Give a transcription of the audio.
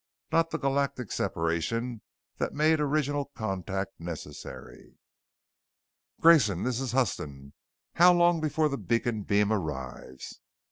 Not the galactic separation that made original contact necessary. "Grayson, this is Huston. How long before the beacon beam arrives?"